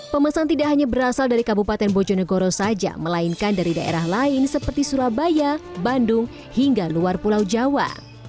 pemesan tidak hanya berasal dari kabupaten bojonegoro saja melainkan dari daerah lain seperti surabaya bandung hingga luar pulau jawa